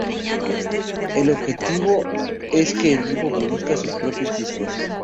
El objetivo es que el grupo produzca sus propios discos.